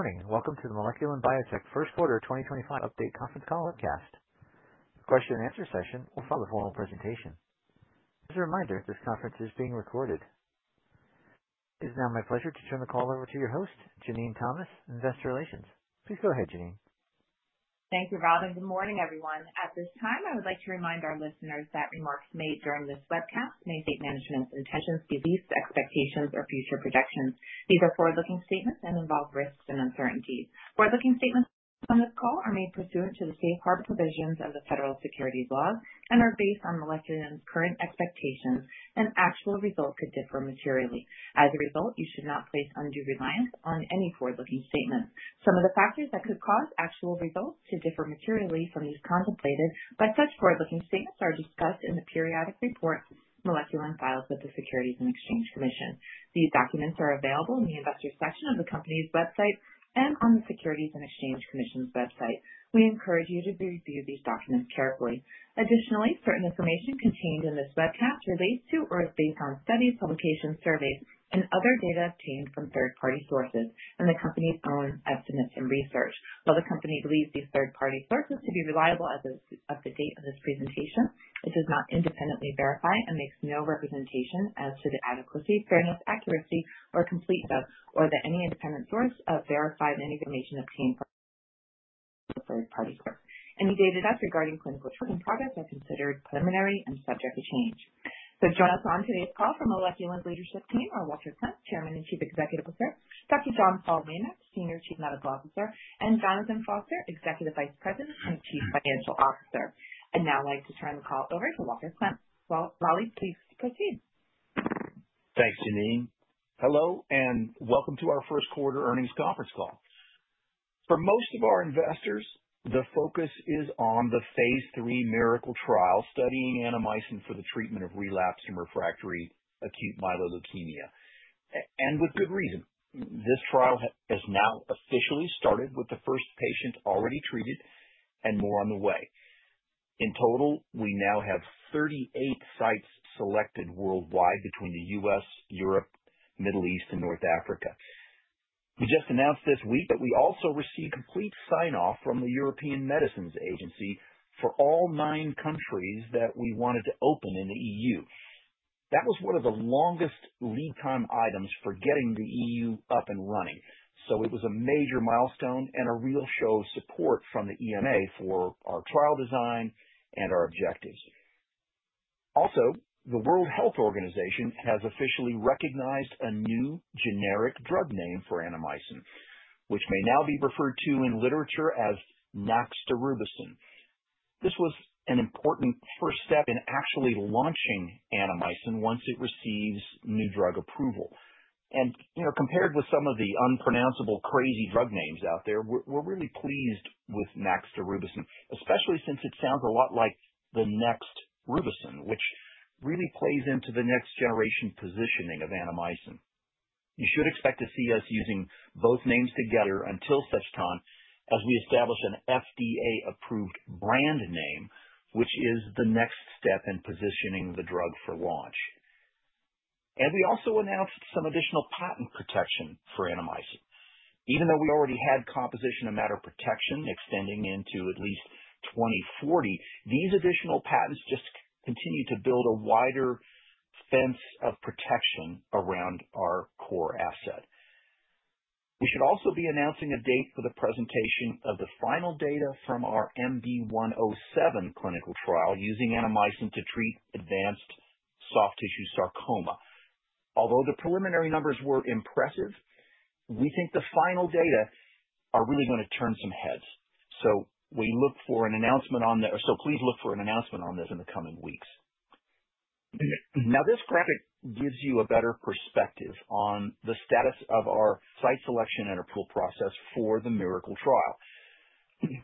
Morning. Welcome to the Moleculin Biotech First Quarter 2025 Update Conference Call webcast. The question and answer session will follow a formal presentation. As a reminder, this conference is being recorded. It is now my pleasure to turn the call over to your host, Jenene Thomas, Investor Relations. Please go ahead, Jenene. Thank you, Robin. Good morning, everyone. At this time, I would like to remind our listeners that remarks made during this webcast may state management's intentions, beliefs, expectations, or future projections. These are forward-looking statements and involve risks and uncertainties. Forward-looking statements on this call are made pursuant to the safeguard provisions of the federal securities laws and are based on Moleculin's current expectations, and actual results could differ materially. As a result, you should not place undue reliance on any forward-looking statements. Some of the factors that could cause actual results to differ materially from those contemplated by such forward-looking statements are discussed in the periodic reports Moleculin files with the Securities and Exchange Commission. These documents are available in the investor section of the company's website and on the Securities and Exchange Commission's website. We encourage you to review these documents carefully. Additionally, certain information contained in this webcast relates to or is based on studies, publications, surveys, and other data obtained from third-party sources and the company's own estimates and research. While the company believes these third-party sources to be reliable as of the date of this presentation, it does not independently verify and makes no representation as to the adequacy, fairness, accuracy, or completeness of any independent source of verified information obtained from a third-party source. Any data just regarding clinical trials and progress are considered preliminary and subject to change. Join us on today's call from Moleculin's leadership team, our Walter Klemp, Chairman and Chief Executive Officer, Dr. John Paul Waymack, Senior Chief Medical Officer, and Jonathan Foster, Executive Vice President and Chief Financial Officer. I'd now like to turn the call over to Walter Klemp. Wally, please proceed. Thanks, Jenene. Hello, and welcome to our first quarter earnings conference call. For most of our investors, the focus is on the phase III MIRACLE trial studying Annamycin for the treatment of relapsed and refractory acute myeloid leukemia. And with good reason. This trial has now officially started with the first patient already treated and more on the way. In total, we now have 38 sites selected worldwide between the U.S., Europe, Middle East, and North Africa. We just announced this week that we also received complete sign-off from the European Medicines Agency for all nine countries that we wanted to open in the EU. That was one of the longest lead time items for getting the EU up and running. So it was a major milestone and a real show of support from the EMA for our trial design and our objectives. Also, the World Health Organization has officially recognized a new generic drug name for Annamycin, which may now be referred to in literature as naxtarubicin. This was an important first step in actually launching Annamycin once it receives new drug approval. Compared with some of the unpronounceable crazy drug names out there, we're really pleased with naxtarubicin, especially since it sounds a lot like the next rubicin, which really plays into the next generation positioning of Annamycin. You should expect to see us using both names together until such time as we establish an FDA-approved brand name, which is the next step in positioning the drug for launch. We also announced some additional patent protection for Annamycin. Even though we already had composition of matter protection extending into at least 2040, these additional patents just continue to build a wider fence of protection around our core asset. We should also be announcing a date for the presentation of the final data from our MD-107 clinical trial using Annamycin to treat advanced soft tissue sarcoma. Although the preliminary numbers were impressive, we think the final data are really going to turn some heads. Please look for an announcement on this in the coming weeks. Now, this graphic gives you a better perspective on the status of our site selection and approval process for the MIRACLE trial.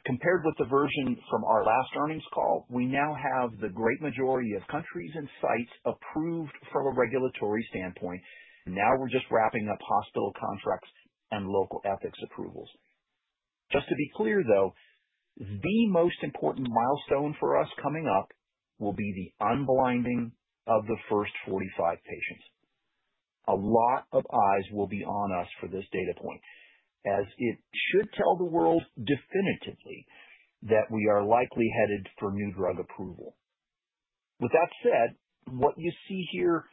Compared with the version from our last earnings call, we now have the great majority of countries and sites approved from a regulatory standpoint. Now we're just wrapping up hospital contracts and local ethics approvals. Just to be clear, though, the most important milestone for us coming up will be the unblinding of the first 45 patients. A lot of eyes will be on us for this data point, as it should tell the world definitively that we are likely headed for new drug approval. With that said, what you see here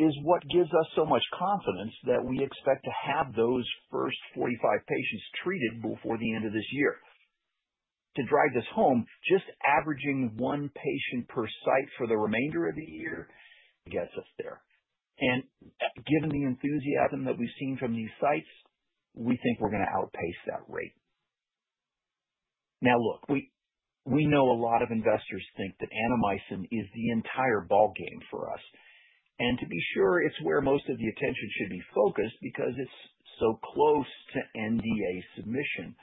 is what gives us so much confidence that we expect to have those first 45 patients treated before the end of this year. To drive this home, just averaging one patient per site for the remainder of the year gets us there. Given the enthusiasm that we've seen from these sites, we think we're going to outpace that rate. Now, look, we know a lot of investors think that Annamycin is the entire ballgame for us. To be sure, it's where most of the attention should be focused because it's so close to NDA submission.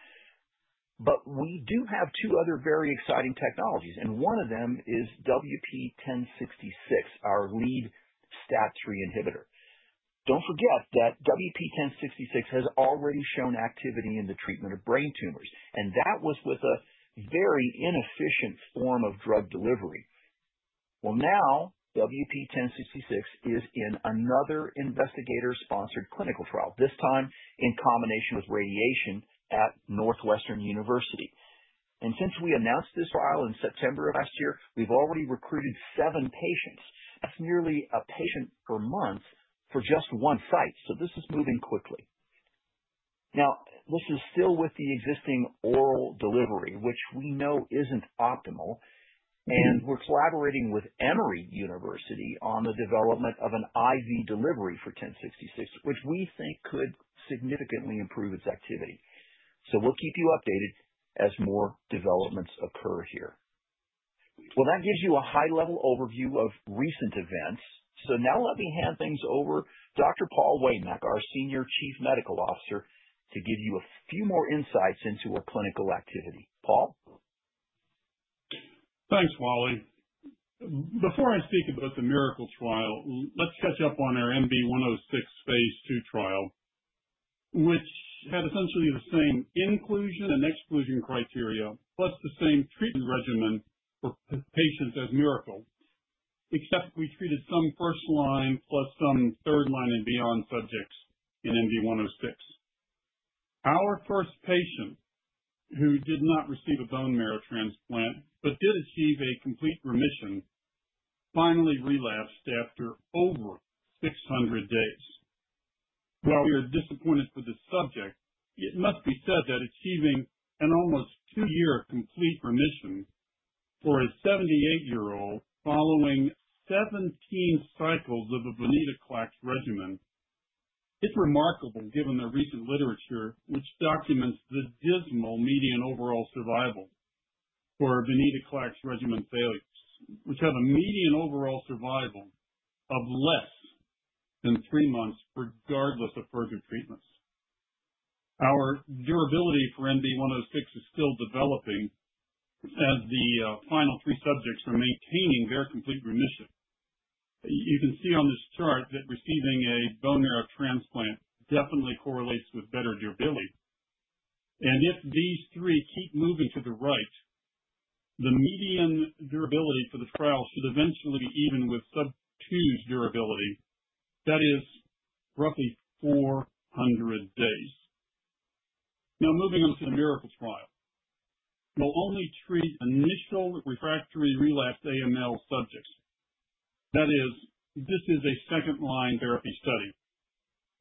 We do have two other very exciting technologies, and one of them is WP1066, our lead STAT3 inhibitor. Do not forget that WP1066 has already shown activity in the treatment of brain tumors, and that was with a very inefficient form of drug delivery. Now WP1066 is in another investigator-sponsored clinical trial, this time in combination with radiation at Northwestern University. Since we announced this trial in September of last year, we have already recruited seven patients. That is nearly a patient per month for just one site. This is moving quickly. This is still with the existing oral delivery, which we know is not optimal. We are collaborating with Emory University on the development of an IV delivery for 1066, which we think could significantly improve its activity. We will keep you updated as more developments occur here. That gives you a high-level overview of recent events. Now let me hand things over to Dr. Paul Waymack, our Senior Chief Medical Officer, to give you a few more insights into our clinical activity. Paul? Thanks, Wally. Before I speak about the MIRACLE trial, let's catch up on our MB-106 phase II trial, which had essentially the same inclusion and exclusion criteria, plus the same treatment regimen for patients as MIRACLE, except we treated some first-line plus some third-line and beyond subjects in MB-106. Our first patient who did not receive a bone marrow transplant but did achieve a complete remission finally relapsed after over 600 days. While we are disappointed for this subject, it must be said that achieving an almost two-year complete remission for a 78-year-old following 17 cycles of a venetoclax regimen, it's remarkable given the recent literature, which documents the dismal median overall survival for venetoclax regimen failures, which have a median overall survival of less than three months regardless of further treatments. Our durability for MB-106 is still developing as the final three subjects are maintaining their complete remission. You can see on this chart that receiving a bone marrow transplant definitely correlates with better durability. If these three keep moving to the right, the median durability for the trial should eventually be even with sub-2's durability. That is roughly 400 days. Now, moving on to the MIRACLE trial. We'll only treat initial refractory relapsed AML subjects. That is, this is a second-line therapy study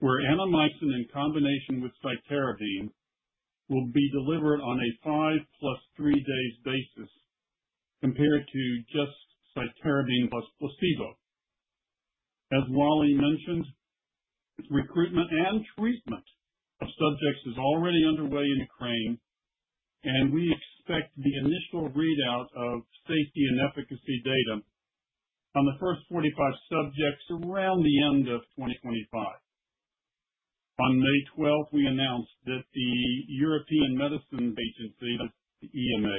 where Annamycin in combination with cytarabine will be delivered on a five-plus-three-day basis compared to just cytarabine plus placebo. As Wally mentioned, recruitment and treatment of subjects is already underway in Ukraine, and we expect the initial readout of safety and efficacy data on the first 45 subjects around the end of 2025. On May 12th, we announced that the European Medicines Agency, the EMA,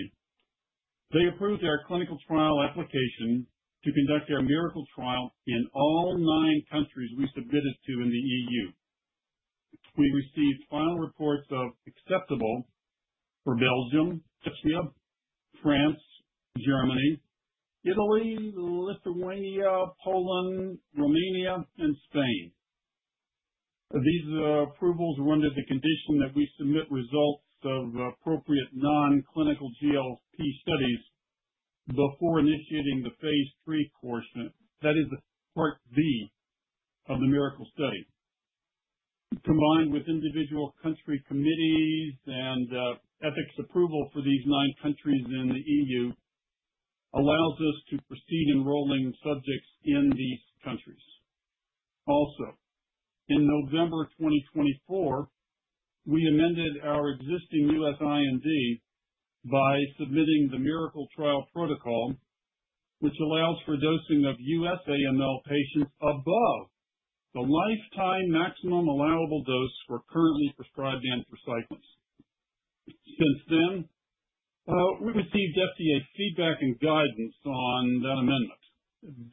they approved our clinical trial application to conduct our MIRACLE trial in all nine countries we submitted to in the EU. We received final reports of acceptable for Belgium, Austria, France, Germany, Italy, Lithuania, Poland, Romania, and Spain. These approvals were under the condition that we submit results of appropriate non-clinical GLP studies before initiating the phase III portion. That is part B of the MIRACLE study. Combined with individual country committees and ethics approval for these nine countries in the EU, it allows us to proceed in rolling subjects in these countries. Also, in November 2024, we amended our existing U.S. IND by submitting the MIRACLE trial protocol, which allows for dosing of U.S. AML patients above the lifetime maximum allowable dose for currently prescribed anthracyclines. Since then, we received FDA feedback and guidance on that amendment.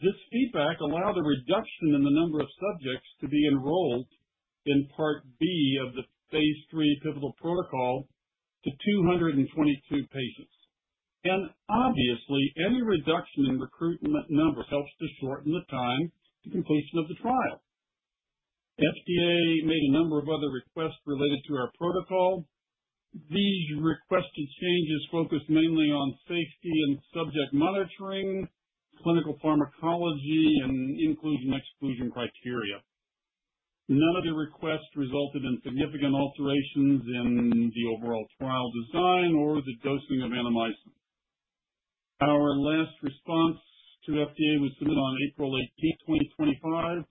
This feedback allowed a reduction in the number of subjects to be enrolled in part B of the phase III pivotal protocol to 222 patients. Obviously, any reduction in recruitment numbers helps to shorten the time to completion of the trial. FDA made a number of other requests related to our protocol. These requested changes focused mainly on safety and subject monitoring, clinical pharmacology, and inclusion/exclusion criteria. None of the requests resulted in significant alterations in the overall trial design or the dosing of Annamycin. Our last response to FDA was submitted on April 18th, 2025,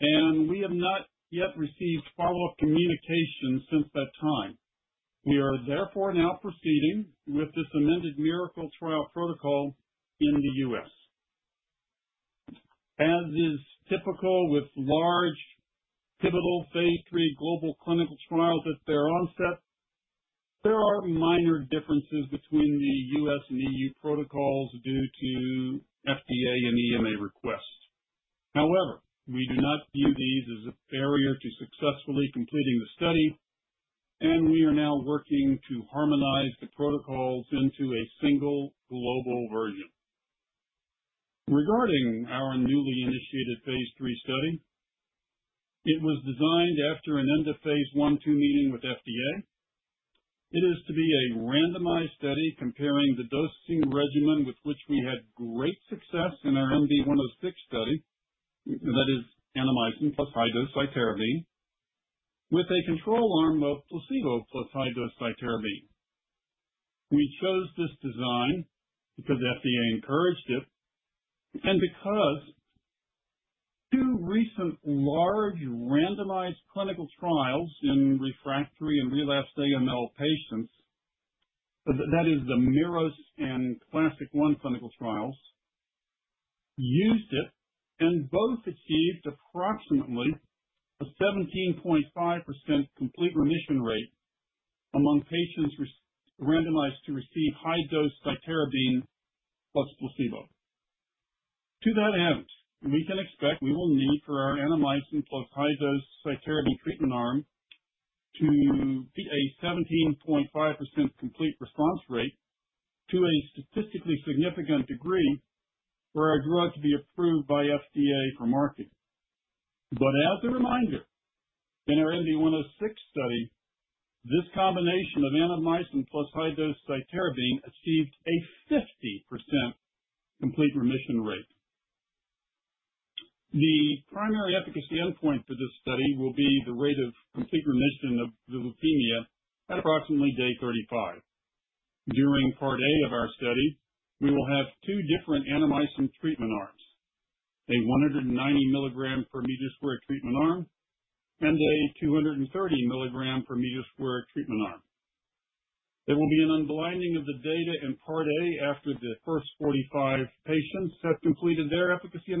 and we have not yet received follow-up communication since that time. We are therefore now proceeding with this amended MIRACLE trial protocol in the U.S. As is typical with large pivotal phase III global clinical trials at their onset, there are minor differences between the U.S. and EU protocols due to FDA and EMA requests. However, we do not view these as a barrier to successfully completing the study, and we are now working to harmonize the protocols into a single global version. Regarding our newly initiated phase III study, it was designed after an end of phase I/II meeting with FDA. It is to be a randomized study comparing the dosing regimen with which we had great success in our MB-106 study, that is Annamycin plus high-dose cytarabine, with a control arm of placebo plus high-dose cytarabine. We chose this design because FDA encouraged it and because two recent large randomized clinical trials in refractory and relapsed AML patients, that is, the MIRROS and CLASSIC I clinical trials, used it and both achieved approximately a 17.5% complete remission rate among patients randomized to receive high-dose cytarabine plus placebo. To that end, we can expect we will need for our Annamycin plus high-dose cytarabine treatment arm to be a 17.5% complete response rate to a statistically significant degree for our drug to be approved by FDA for marketing. As a reminder, in our MB-106 study, this combination of Annamycin plus high-dose cytarabine achieved a 50% complete remission rate. The primary efficacy endpoint for this study will be the rate of complete remission of leukemia at approximately day 35. During part A of our study, we will have two different Annamycin treatment arms, a 190 mg per meter square treatment arm and a 230 mg per meter square treatment arm. There will be an unblinding of the data in part A after the first 45 patients have completed their efficacy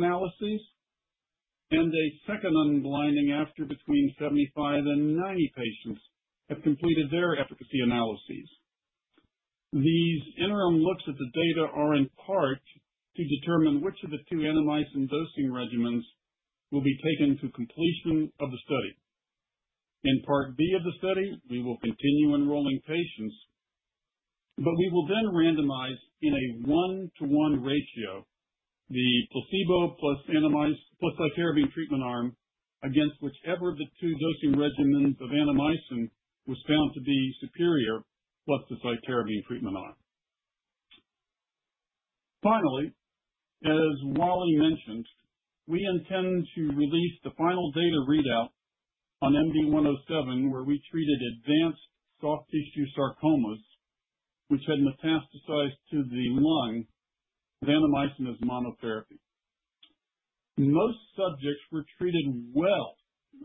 analyses and a second unblinding after between 75 and 90 patients have completed their efficacy analyses. These interim looks at the data are in part to determine which of the two Annamycin dosing regimens will be taken to completion of the study. In part B of the study, we will continue enrolling patients, but we will then randomize in a one-to-one ratio the placebo plus Annamycin plus cytarabine treatment arm against whichever of the two dosing regimens of Annamycin was found to be superior plus the cytarabine treatment arm. Finally, as Wally mentioned, we intend to release the final data readout on MD-107 where we treated advanced soft tissue sarcomas which had metastasized to the lung with Annamycin as monotherapy. Most subjects were treated well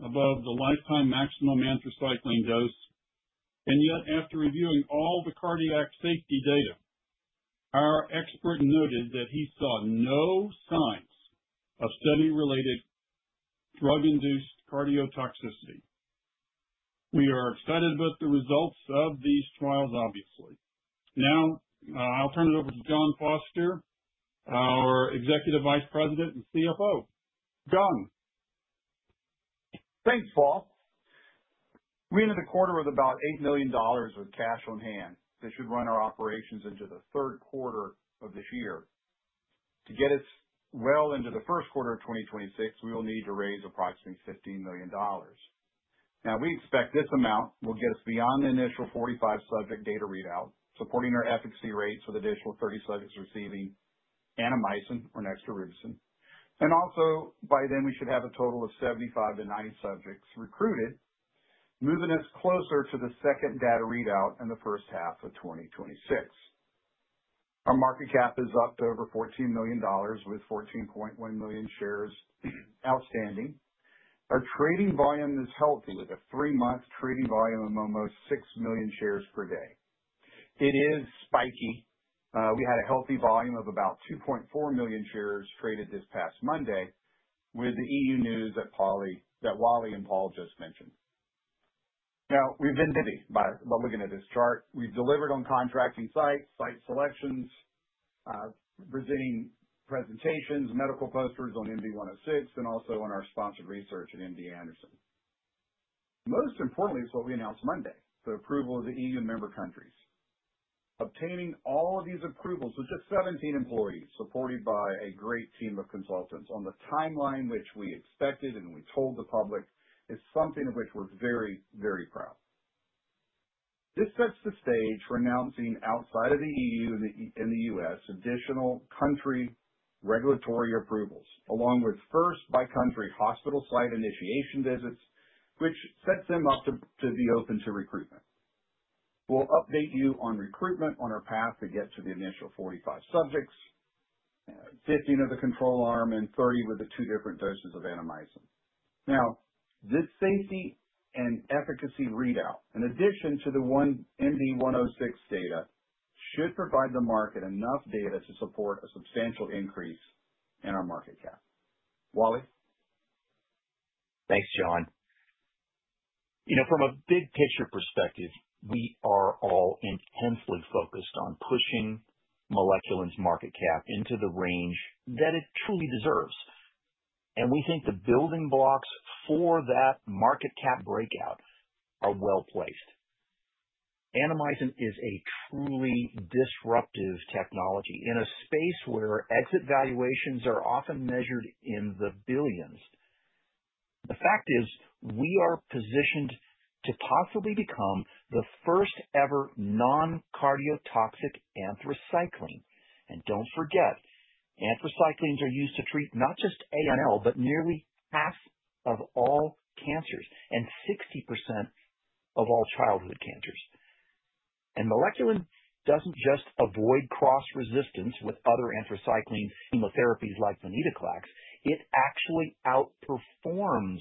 above the lifetime maximum anthracycline dose, and yet after reviewing all the cardiac safety data, our expert noted that he saw no signs of study-related drug-induced cardiotoxicity. We are excited about the results of these trials, obviously. Now, I'll turn it over to Jon Foster, our Executive Vice President and CFO. Jon? Thanks, Paul. We ended the quarter with about $8 million of cash on hand. This should run our operations into the third quarter of this year. To get us well into the first quarter of 2026, we will need to raise approximately $15 million. Now, we expect this amount will get us beyond the initial 45 subject data readout, supporting our efficacy rates with an additional 30 subjects receiving Annamycin or naxtarubicin. Also, by then, we should have a total of 75-90 subjects recruited, moving us closer to the second data readout in the first half of 2026. Our market cap is up to over $14 million with 14.1 million shares outstanding. Our trading volume is healthy with a three-month trading volume of almost 6 million shares per day. It is spiky. We had a healthy volume of about 2.4 million shares traded this past Monday with the EU news that Wally and Paul just mentioned. Now, we've been busy by looking at this chart. We've delivered on contracting sites, site selections, presenting presentations, medical posters on MB-106, and also on our sponsored research at MD Anderson. Most importantly, it's what we announced Monday, the approval of the EU member countries. Obtaining all of these approvals with just 17 employees supported by a great team of consultants on the timeline which we expected and we told the public is something of which we're very, very proud. This sets the stage for announcing outside of the EU and the U.S. additional country regulatory approvals, along with first-by-country hospital site initiation visits, which sets them up to be open to recruitment. We'll update you on recruitment on our path to get to the initial 45 subjects, 15 of the control arm, and 30 with the two different doses of Annamycin. Now, this safety and efficacy readout, in addition to the one MB-106 data, should provide the market enough data to support a substantial increase in our market cap. Wally? Thanks, Jon. From a big-picture perspective, we are all intensely focused on pushing Moleculin's market cap into the range that it truly deserves. We think the building blocks for that market cap breakout are well placed. Annamycin is a truly disruptive technology in a space where exit valuations are often measured in the billions. The fact is we are positioned to possibly become the first-ever non-cardiotoxic anthracycline. Do not forget, anthracyclines are used to treat not just AML, but nearly half of all cancers and 60% of all childhood cancers. Moleculin does not just avoid cross-resistance with other anthracycline chemotherapies like venetoclax. It actually outperforms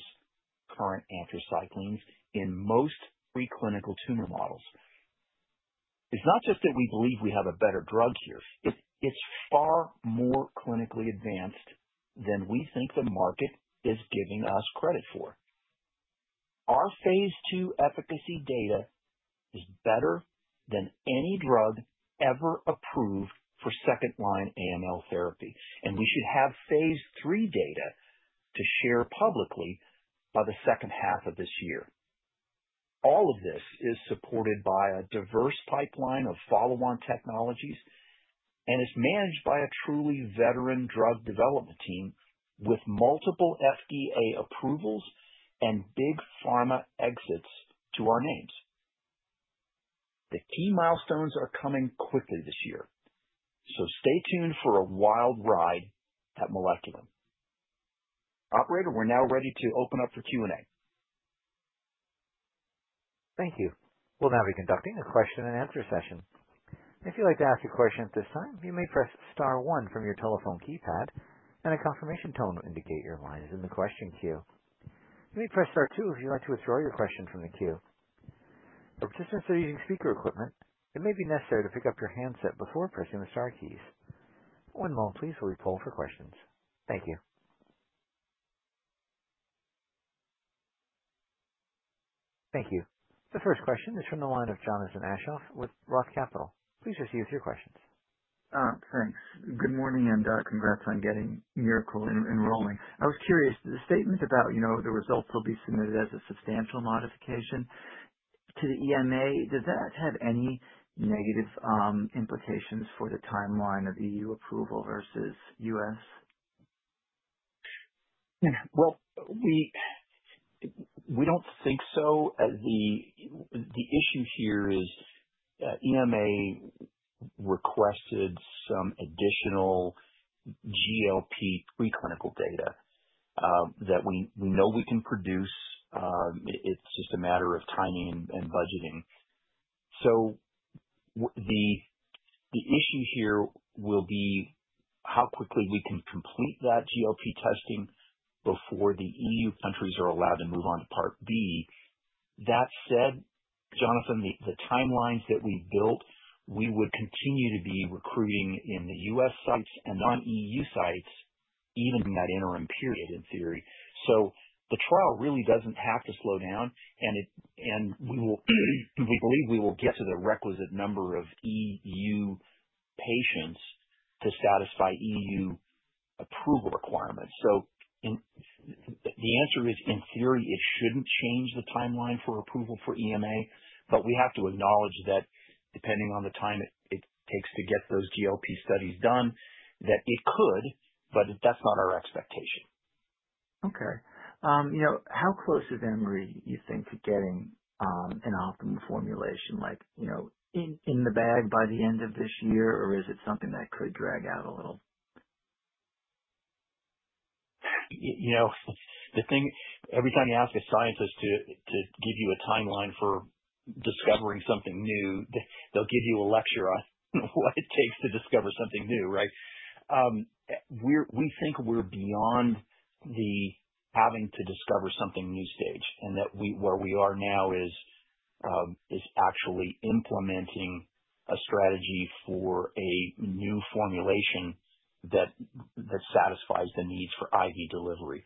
current anthracyclines in most preclinical tumor models. It is not just that we believe we have a better drug here. It is far more clinically advanced than we think the market is giving us credit for. Our phase II efficacy data is better than any drug ever approved for second-line AML therapy. We should have phase III data to share publicly by the second half of this year. All of this is supported by a diverse pipeline of follow-on technologies and is managed by a truly veteran drug development team with multiple FDA approvals and big pharma exits to our names. The key milestones are coming quickly this year. Stay tuned for a wild ride at Moleculin. Operator, we're now ready to open up for Q&A. Thank you. We'll now be conducting a question-and-answer session. If you'd like to ask a question at this time, you may press star one from your telephone keypad, and a confirmation tone will indicate your line is in the question queue. You may press star two if you'd like to withdraw your question from the queue. For participants that are using speaker equipment, it may be necessary to pick up your handset before pressing the star keys. One moment, please, while we pull for questions. Thank you. Thank you. The first question is from the line of Jonathan Aschoff with Roth Capital. Please proceed with your questions. Thanks. Good morning and congrats on getting MIRACLE enrolling. I was curious, the statement about the results will be submitted as a substantial modification to the EMA, does that have any negative implications for the timeline of EU approval versus U.S.? We do not think so. The issue here is EMA requested some additional GLP preclinical data that we know we can produce. It is just a matter of timing and budgeting. The issue here will be how quickly we can complete that GLP testing before the EU countries are allowed to move on to part B. That said, Jonathan, the timelines that we have built, we would continue to be recruiting in the U.S. sites and on EU sites even in that interim period, in theory. The trial really does not have to slow down, and we believe we will get to the requisite number of EU patients to satisfy EU approval requirements. The answer is, in theory, it shouldn't change the timeline for approval for EMA, but we have to acknowledge that depending on the time it takes to get those GLP studies done, that it could, but that's not our expectation. Okay. How close is Emory, you think, to getting an optimal formulation in the bag by the end of this year, or is it something that could drag out a little? The thing, every time you ask a scientist to give you a timeline for discovering something new, they'll give you a lecture on what it takes to discover something new, right? We think we're beyond the having to discover something new stage, and where we are now is actually implementing a strategy for a new formulation that satisfies the needs for IV delivery.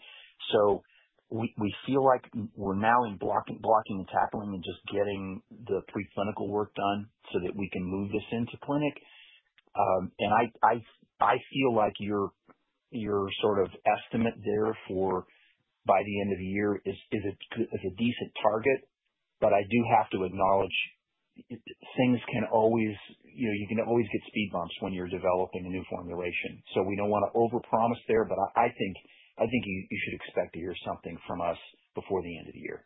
We feel like we're now in blocking and tackling and just getting the preclinical work done so that we can move this into clinic. I feel like your sort of estimate there for by the end of the year is a decent target, but I do have to acknowledge things can always, you can always get speed bumps when you're developing a new formulation. We don't want to overpromise there, but I think you should expect to hear something from us before the end of the year.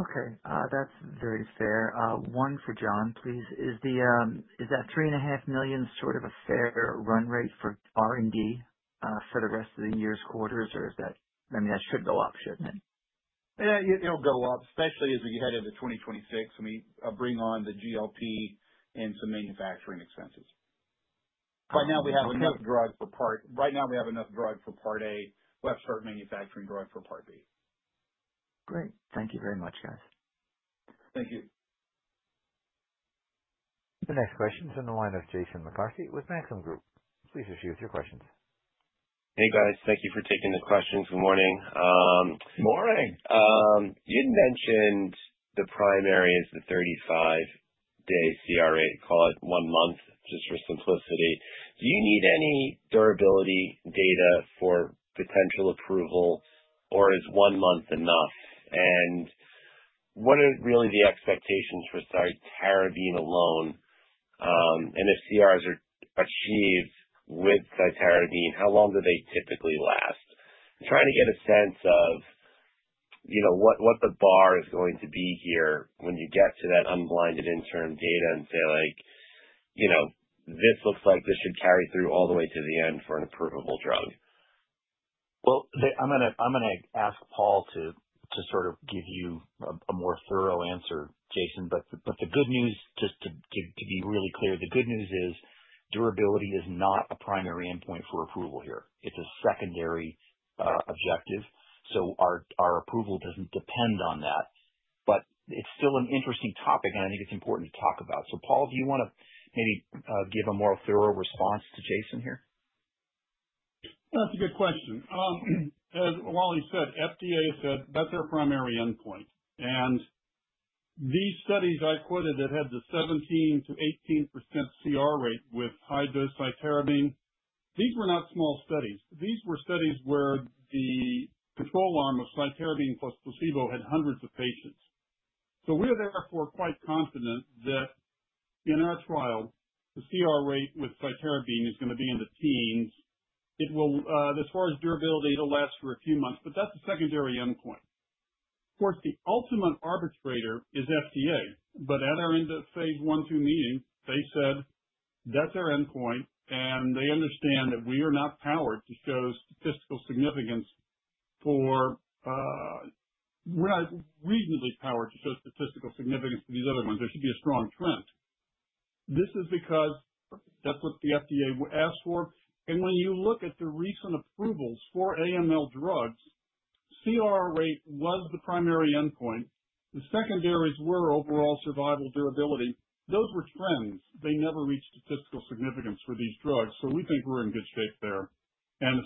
Okay. That's very fair. One for Jon, please. Is that $3.5 million sort of a fair run rate for R&D for the rest of the year's quarters, or is that, I mean, that should go up, shouldn't it? It'll go up, especially as we head into 2026 when we bring on the GLP and some manufacturing expenses. Right now, we have enough drug for part A. We'll have to start manufacturing drug for part B. Great. Thank you very much, guys. Thank you. The next question is from the line of Jason McCarthy with Maxim Group. Please proceed with your questions. Hey, guys. Thank you for taking the questions. Good morning. Morning. You mentioned the primary is the 35-day CR8. Call it one month, just for simplicity. Do you need any durability data for potential approval, or is one month enough? What are really the expectations for cytarabine alone? If CRs are achieved with cytarabine, how long do they typically last? I'm trying to get a sense of what the bar is going to be here when you get to that unblinded interim data and say, "This looks like this should carry through all the way to the end for an approvable drug. I'm going to ask Paul to sort of give you a more thorough answer, Jason. The good news, just to be really clear, the good news is durability is not a primary endpoint for approval here. It's a secondary objective. Our approval doesn't depend on that. It's still an interesting topic, and I think it's important to talk about. Paul, do you want to maybe give a more thorough response to Jason here? That's a good question. As Wally said, FDA said that's our primary endpoint. And these studies I quoted that had the 17%-18% CR rate with high-dose cytarabine, these were not small studies. These were studies where the control arm of cytarabine plus placebo had hundreds of patients. So we're therefore quite confident that in our trial, the CR rate with cytarabine is going to be in the teens. As far as durability, it'll last for a few months, but that's a secondary endpoint. Of course, the ultimate arbitrator is FDA. But at our end of phase I-II meeting, they said that's our endpoint, and they understand that we are not powered to show statistical significance for we're not reasonably powered to show statistical significance for these other ones. There should be a strong trend. This is because that's what the FDA asked for. When you look at the recent approvals for AML drugs, CR rate was the primary endpoint. The secondaries were overall survival durability. Those were trends. They never reached statistical significance for these drugs. We think we're in good shape there.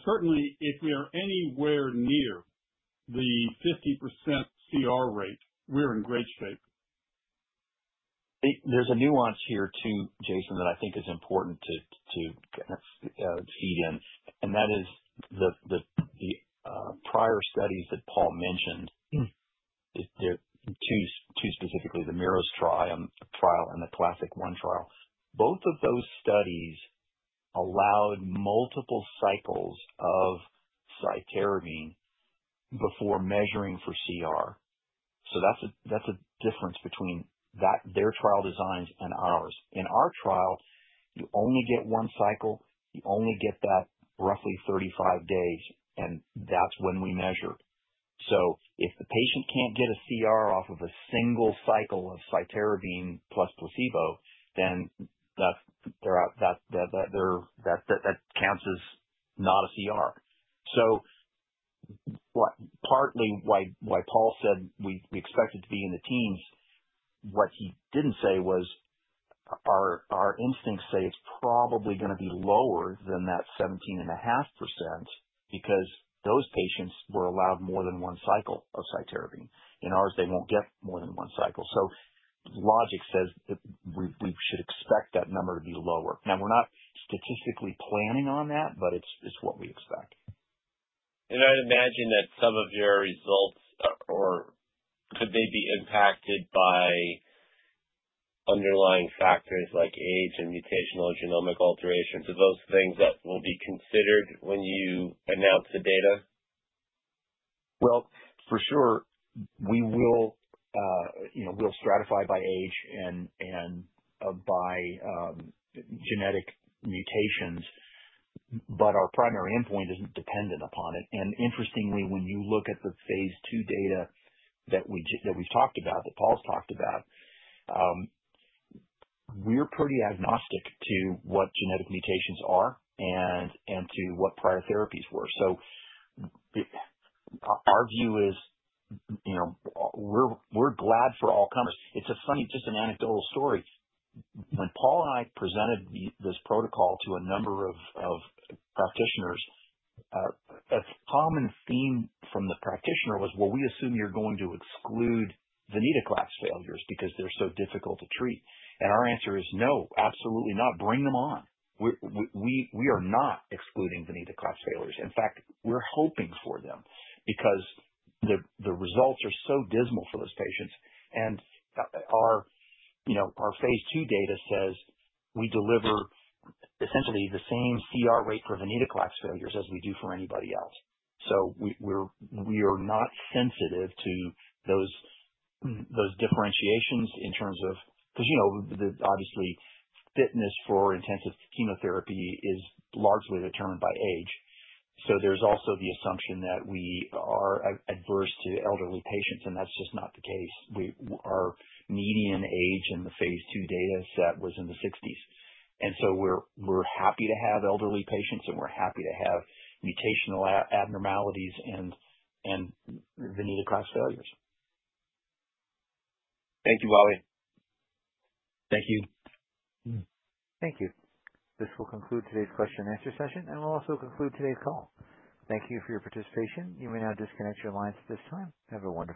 Certainly, if we are anywhere near the 50% CR rate, we're in great shape. There's a nuance here too, Jason, that I think is important to kind of feed in. That is the prior studies that Paul mentioned, two specifically, the MIRACLE trial and the Classic I trial. Both of those studies allowed multiple cycles of cytarabine before measuring for CR. That's a difference between their trial designs and ours. In our trial, you only get one cycle. You only get that roughly 35 days, and that's when we measure. If the patient can't get a CR off of a single cycle of cytarabine plus placebo, then that counts as not a CR. Partly why Paul said we expect it to be in the teens, what he did not say was our instincts say it's probably going to be lower than that 17.5% because those patients were allowed more than one cycle of cytarabine. In ours, they won't get more than one cycle. Logic says we should expect that number to be lower. Now, we're not statistically planning on that, but it's what we expect. I'd imagine that some of your results, could they be impacted by underlying factors like age and mutational genomic alterations? Are those things that will be considered when you announce the data? For sure, we'll stratify by age and by genetic mutations, but our primary endpoint isn't dependent upon it. Interestingly, when you look at the phase II data that we've talked about, that Paul's talked about, we're pretty agnostic to what genetic mutations are and to what prior therapies were. Our view is we're glad for all comers. It's just an anecdotal story. When Paul and I presented this protocol to a number of practitioners, a common theme from the practitioner was, "We assume you're going to exclude venetoclax failures because they're so difficult to treat." Our answer is, "No, absolutely not. Bring them on." We are not excluding venetolax failures. In fact, we're hoping for them because the results are so dismal for those patients. Our phase II data says we deliver essentially the same CR rate for venetoclax failures as we do for anybody else. We are not sensitive to those differentiations in terms of, because obviously, fitness for intensive chemotherapy is largely determined by age. There is also the assumption that we are adverse to elderly patients, and that's just not the case. Our median age in the phase II data set was in the 60s. We are happy to have elderly patients, and we are happy to have mutational abnormalities and venetoclax failures. Thank you, Wally. Thank you. Thank you. This will conclude today's question-and-answer session, and we'll also conclude today's call. Thank you for your participation. You may now disconnect your lines at this time. Have a wonderful day.